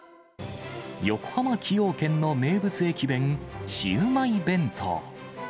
横浜・崎陽軒の名物駅弁、シウマイ弁当。